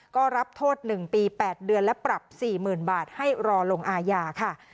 ก็รับโทษ๑ปี๘เดือนและปรับ๔๐๐๐บาทให้รอลงอาญาค่ะ